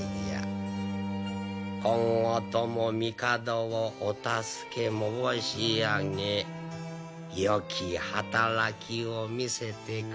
今後とも帝をお助け申し上げよき働きを見せてくれよ。